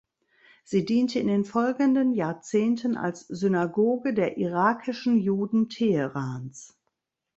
Sie diente in den folgenden Jahrzehnten als Synagoge der irakischen Juden Teherans.